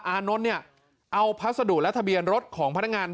อานนท์เนี่ยเอาพัสดุและทะเบียนรถของพนักงาน